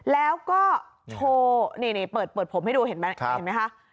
แล้วก็โชว์นี่เปิดผมให้ดูเห็นไหมค่ะ